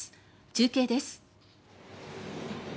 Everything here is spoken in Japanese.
中継です。